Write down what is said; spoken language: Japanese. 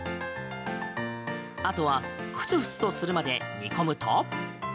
あとは沸々とするまで煮込むと。